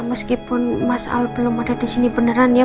meskipun mas al belum ada di sini beneran ya